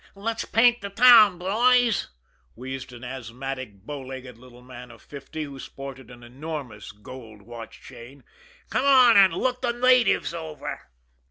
"Let's paint the town, boys," wheezed an asthmatic, bowlegged little man of fifty, who sported an enormous gold watch chain. "Come on and look the natives over!"